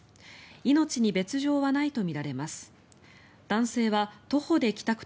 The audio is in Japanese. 命に別条はないとみられます。